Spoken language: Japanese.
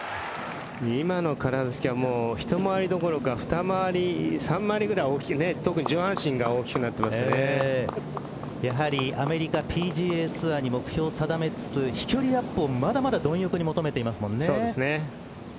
今の体つきは一回りどころか二回り三回りぐらい大きくて特に上半身がやはりアメリカＰＧＡツアーに目標を定めつつ飛距離アップをまだまだ貪欲に求めていますもんね。